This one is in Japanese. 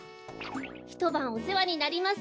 ひとばんおせわになります。